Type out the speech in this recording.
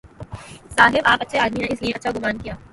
صاحب آپ اچھے آدمی ہیں، اس لیے اچھا گمان کیا۔